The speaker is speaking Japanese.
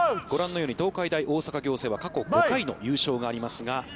ご覧のように、東海大大阪仰星は、過去５回の優勝がありますが。